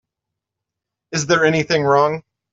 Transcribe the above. Is there anything wrong?